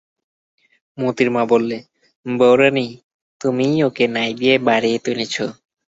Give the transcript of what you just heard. মোতির মা বললে, বউরানী, তুমিই ওকে নাই দিয়ে বাড়িয়ে তুলেছ।